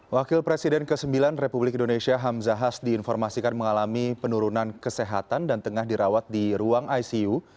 wakil presiden ke sembilan republik indonesia hamzahas diinformasikan mengalami penurunan kesehatan dan tengah dirawat di ruang icu